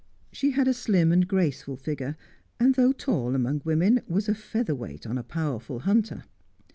She had a slim and graceful figure, and, though tall among women, was a feather weight on a powerful hunter.